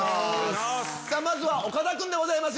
まずは岡田君でございます